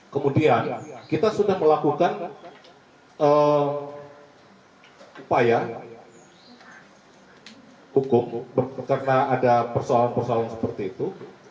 kemudian kita sudah melakukan upaya hukum karena ada persoalan persoalan seperti itu